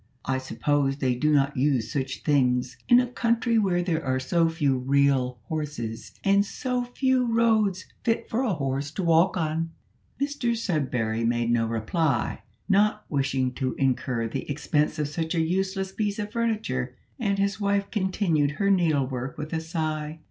I suppose they do not use such things in a country where there are so few real horses, and so few roads fit for a horse to walk on." Mr Sudberry made no reply, not wishing to incur the expense of such a useless piece of furniture, and his wife continued her needlework with a sigh.